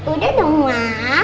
udah dong mama